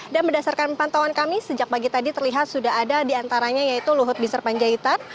dan berdasarkan pantauan kami sejak pagi tadi terlihat sudah ada diantaranya yaitu luhut biser panjaitan